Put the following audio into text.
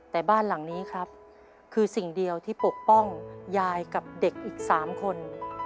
แต่บ้านหลังนี้ครับคือสิ่งเดียวที่ปกป้องยายกับเด็กอีก๓คน